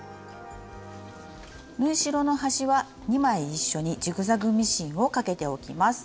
縫い代の端は２枚一緒にジグザグミシンをかけておきます。